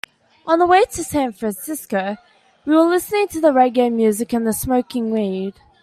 On our way to San Francisco, we were listening to reggae music and smoking weed.